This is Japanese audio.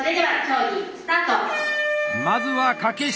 まずは掛下。